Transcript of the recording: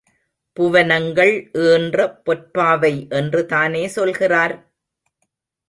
புவனங்கள் ஈன்ற பொற்பாவை என்றுதானே சொல்கிறார்?